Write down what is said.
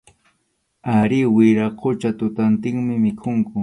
Arí, wiraqucha, tutantinmi mikhunku.